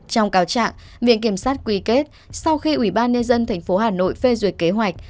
trong cáo trạng viện kiểm sát quy kết sau khi ủy ban nhân dân tp hà nội phê duyệt kế hoạch